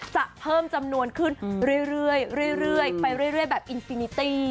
เพิ่มจำนวนขึ้นเรื่อยไปเรื่อยแบบอินซีนิตี้